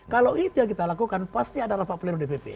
kalau itu yang kita lakukan pasti ada rapat pleno dpp